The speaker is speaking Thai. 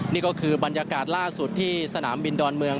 นี่ก็คือบรรยากาศล่าสุดที่สนามบินดอนเมือง